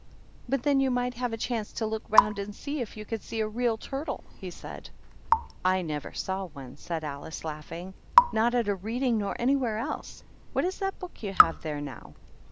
"But, then, you might have a chance to look round and see if you could see a Real Turtle," he said. "/ never saw one," said Alice, laughing. " Not at a Reading nor anywhere else. What is that book you have there now?"